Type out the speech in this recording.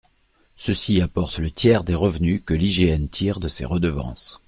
Ceux-ci apportent le tiers des revenus que l’IGN tire de ses redevances.